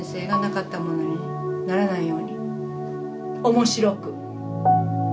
面白く！